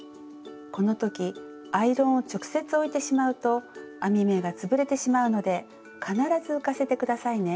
この時アイロンを直接置いてしまうと編み目が潰れてしまうので必ず浮かせて下さいね。